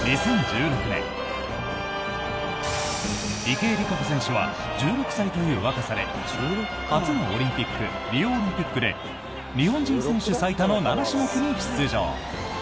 池江璃花子選手は１６歳という若さで初のオリンピックリオオリンピックで日本人選手最多の７種目に出場。